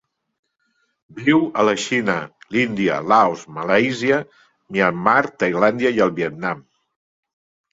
Viu a la Xina, l'Índia, Laos, Malàisia, Myanmar, Tailàndia i el Vietnam.